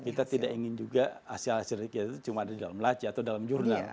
kita tidak ingin juga hasil hasil kita itu cuma ada di dalam laci atau dalam jurnal